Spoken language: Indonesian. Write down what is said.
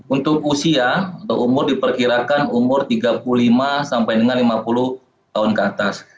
untuk usia untuk umur diperkirakan umur tiga puluh lima sampai dengan lima puluh tahun ke atas